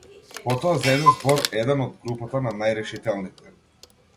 Потоа зеде збор еден од групата на најрешителните.